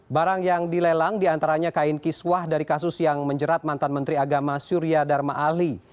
barang yang dilelang diantaranya kain kiswah dari kasus yang menjerat mantan menteri agama surya dharma ali